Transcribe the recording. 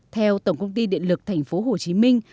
theo tổng công ty điện lực thành phố hồ chí minh